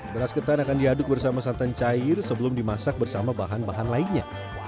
beras ketan akan diaduk bersama santan cair sebelum dimasak bersama bahan bahan lainnya